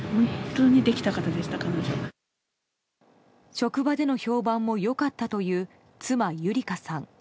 職場での評判も良かったという妻・優理香さん。